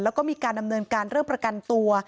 แล้วก็มีการดำเนินการเรื่องประกันตัว